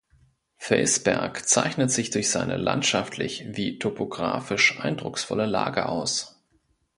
Felsberg zeichnet sich durch seine landschaftlich wie topografisch eindrucksvolle Lage aus.